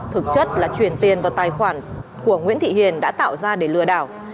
thực chất là chuyển tiền vào tài khoản của nguyễn thị hiền đã tạo ra để lừa đảo